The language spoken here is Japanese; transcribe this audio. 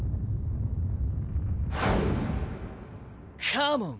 ・・カモン！